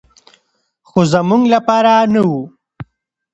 خو زموږ لپاره نه و.